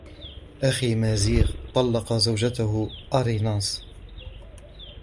أخي مازيغ طلق زوجته آريناس.